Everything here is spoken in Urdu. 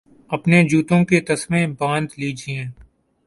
اپنے جوتوں کے تسمے باندھ لیجئے